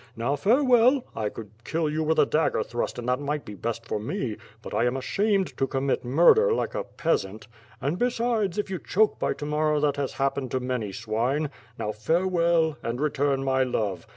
Now farewell, I could kill you with a dagger thrust and that might be best for ine, but 1 rm ashamed to commit murder like a peasant. And, besides, if you choke by to morrow that has happened to many swine. Now, farewell, and return my love.